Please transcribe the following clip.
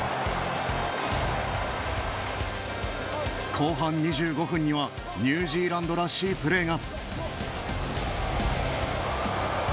後半２５分にはニュージーランドらしいプレーが。